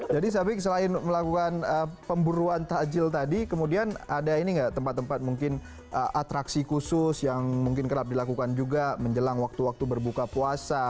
jadi sapik selain melakukan pemburuan takjil tadi kemudian ada ini nggak tempat tempat mungkin atraksi khusus yang mungkin kerap dilakukan juga menjelang waktu waktu berbuka puasa